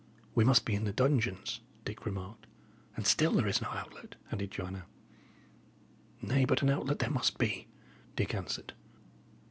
"We must be in the dungeons," Dick remarked. "And still there is no outlet," added Joanna. "Nay, but an outlet there must be!" Dick answered.